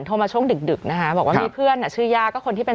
มาช่วงดึกนะคะบอกว่ามีเพื่อนชื่อย่าก็คนที่เป็น